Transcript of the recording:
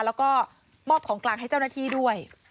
แล้วก็มอบของกลางให้เจ้าหน้าที่ด้วย